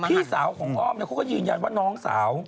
พี่สาวของอ้อมเขาก็ยืนยันว่าน้องสาว